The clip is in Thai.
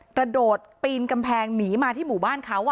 กระโดดปีนกำแพงหนีมาที่หมู่บ้านเขา